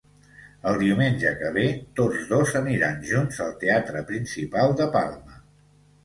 El diumenge que ve, tot dos aniran junts al Teatre Principal de Palma